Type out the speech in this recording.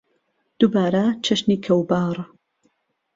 دووبارە چەشنی کەوباڕ